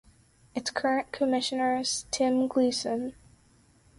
Its current commissioner is Tim Gleason.